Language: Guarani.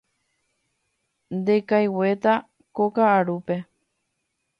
Ndekaiguéta ko ka'arúpe.